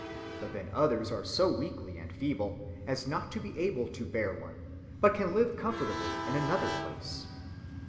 But then others are so weakly and feeble, as not to be able to bear one, but can live comfortably in another place.